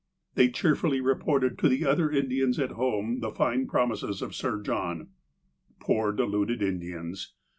They cheerfully reported to the other Indians at home the fine promises of Sir John. Poor, deluded Indians